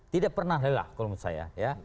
tidak pernah lelah kalau menurut saya